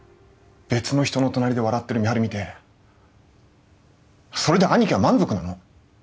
別の人の隣で笑ってる美晴見てそれで兄貴は満足なの？